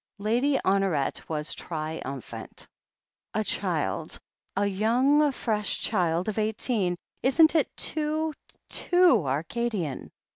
Lady Honoret was triumphant. "A child — a yoimg, fresh child of eighteen — isn't it too, too Arcadian?"